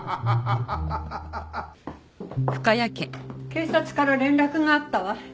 警察から連絡があったわ。